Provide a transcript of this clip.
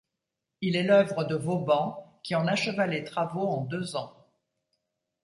Il est l'œuvre de Vauban qui en acheva les travaux en deux ans.